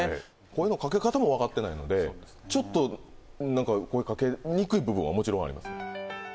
声のかけ方も分かってないのでちょっと何か声かけにくい部分はもちろんありますね